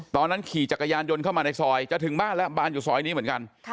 ตอนนั้นขี่จักรยานยนต์เข้ามาในซอยจะถึงบ้านแล้วบ้านอยู่ซอยนี้เหมือนกัน